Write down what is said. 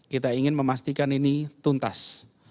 kita ingin memastikan ini tuntas